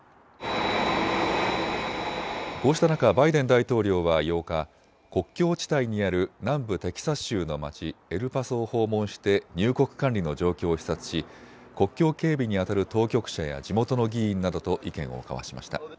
こうした中、バイデン大統領は８日、国境地帯にある南部テキサス州の町エルパソを訪問して入国管理の状況を視察し国境警備にあたる当局者や地元の議員などと意見を交わしました。